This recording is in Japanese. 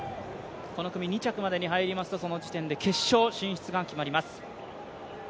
この組２着まで入りますと、その時点で決勝進出が決まります。